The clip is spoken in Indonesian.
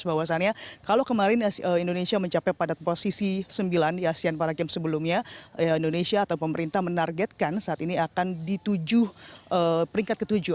sebenarnya kalau kemarin indonesia mencapai pada posisi sembilan di asian para games sebelumnya indonesia atau pemerintah menargetkan saat ini akan ditujuh peringkat ketujuh